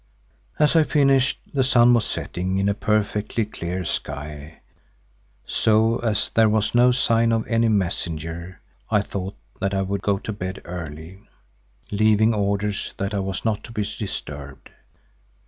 As I finished the sun was setting in a perfectly clear sky, so as there was no sign of any messenger, I thought that I would go to bed early, leaving orders that I was not to be disturbed.